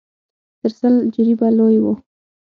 تر سل جريبه لوى و.